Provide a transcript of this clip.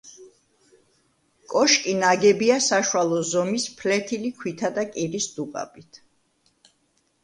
კოშკი ნაგებია საშუალო ზომის ფლეთილი ქვითა და კირის დუღაბით.